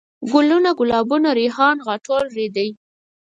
ګلوونه ،ګلابونه ،ريحان ،غاټول ،رېدی